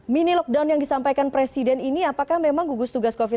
mini lockdown yang disampaikan presiden ini apakah memang gugus tugas covid sembilan belas